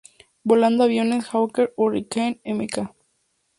Volando aviones Hawker Hurricane Mk.